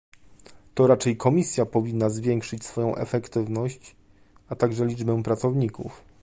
To raczej Komisja powinna zwiększyć swoją efektywność, a także liczbę pracowników